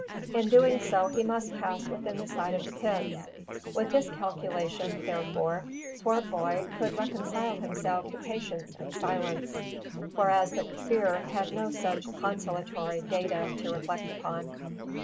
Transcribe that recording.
In doing so he must pass within sight of the pits. With this calculation, therefore, Swartboy could reconcile himself to patience and silence, whereas the Kaffir had no such consolatory data to reflect upon.